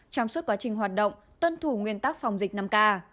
trong suốt quá trình hoạt động tuân thủ nguyên tắc phòng dịch năm k